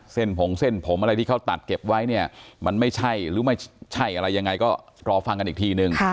ผงเส้นผมอะไรที่เขาตัดเก็บไว้เนี่ยมันไม่ใช่หรือไม่ใช่อะไรยังไงก็รอฟังกันอีกทีนึง